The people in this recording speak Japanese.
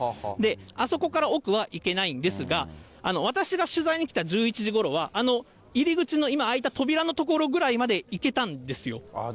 あそこから奥は行けないんですが、私が取材に来た１１時ごろは、あの入り口の、今開いた扉との所ぐらいまで行けたんですよ。